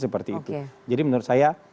seperti itu jadi menurut saya